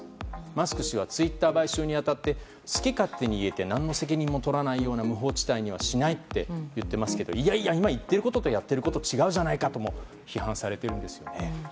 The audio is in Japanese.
マスク氏はツイッター買収に当たって好き勝手にいえて何の責任も取らないような無法地帯にはしないと言っていますけどいやいや、今言っていることとやっていることが違うじゃないかとも批判されているんです。